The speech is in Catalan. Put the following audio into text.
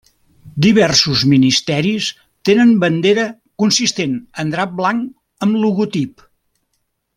Diversos ministeris tenen bandera consistent en drap blanc amb logotip.